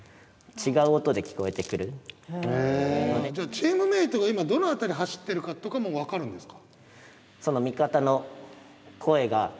チームメートが今どの辺り走ってるかとかも分かるんですか？